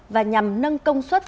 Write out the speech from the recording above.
và nhằm nâng công suất